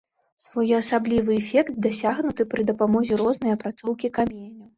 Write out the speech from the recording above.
Своеасаблівы эфект дасягнуты пры дапамозе рознай апрацоўкі каменю.